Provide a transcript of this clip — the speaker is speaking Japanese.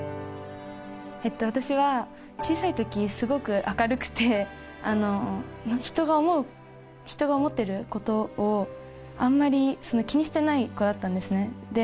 私は小さいときすごく明るくて人が思ってることをあんまり気にしてない子だったんですね。